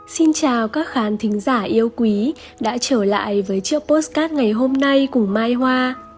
xin chào các khán thính giả yêu quý đã trở lại với chiếc postcard ngày hôm nay của mai hoa